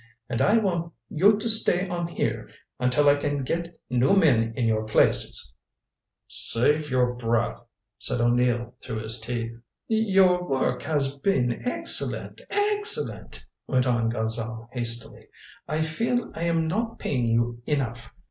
And I want you to stay on here until I can get new men in your places." "Save your breath," said O'Neill through his teeth. "Your work has been excellent excellent," went on Gonzale hastily. "I feel I am not paying you enough.